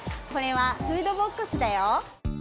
これは「フードボックス」だよ！